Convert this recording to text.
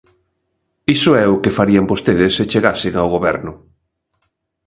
Iso é o que farían vostedes se chegasen ao goberno.